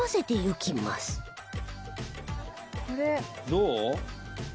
どう？